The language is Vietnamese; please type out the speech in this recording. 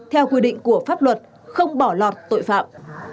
theo quy định của pháp luật không bỏ lọt tội phạm